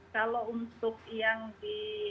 kalau untuk yang di